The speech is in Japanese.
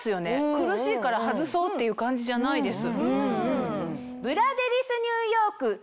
苦しいから外そうっていう感じじゃないです。